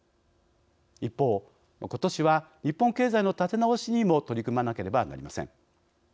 一方、ことしは日本経済の立て直しにも取り組まなければなりません。